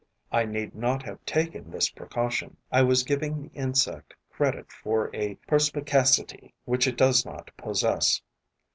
I need not have taken this precaution: I was giving the insect credit for a perspicacity which it does not possess.